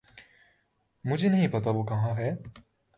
مجھے نہیں پتا وہ کہاں ہے